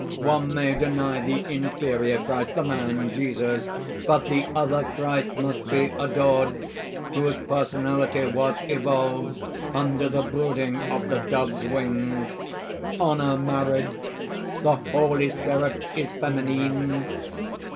"One may deny the inferior Christ, the man Jesus; but the other Christ must be adored whose personality was evolved under the brooding of the Dove's wings. "Honor marriage; the Holy Spirit is feminine!"